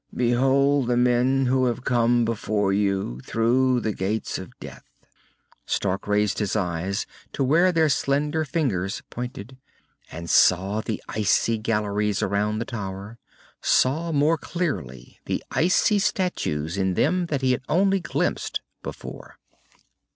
Behold the men who have come before you through the Gates of Death!" Stark raised his eyes to where their slender fingers pointed, and saw the icy galleries around the tower, saw more clearly the icy statues in them that he had only glimpsed before.